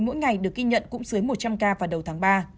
mỗi ngày được ghi nhận cũng dưới một trăm linh ca vào đầu tháng ba